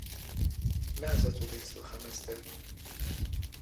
ⵎⴰⵄⵣⴰ ⵜⵓⴹⵉ ⴷ ⵙ ⵓⵅⴰⵎ ⴰⵙⴷ ⴰⴷ?